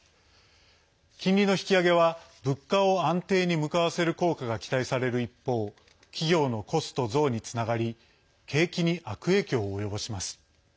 金利の引き上げは物価を安定に向かわせる効果が期待される一方企業のコスト増につながり景気に悪影響を及ぼします。